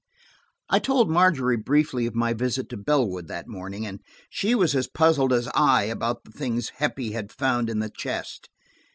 I told Margery briefly of my visit to Bellwood that morning. She was as puzzled as I about the things Heppie had found in the chest.